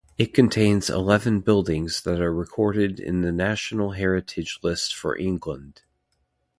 It contains eleven buildings that are recorded in the National Heritage List for England.